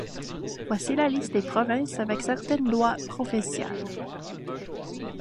Voici la liste des provinces avec certaines lois provinciales.